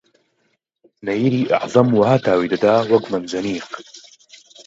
نەییری ئەعزەم وەها تاوی دەدا وەک مەنجەنیق